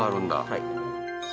はい。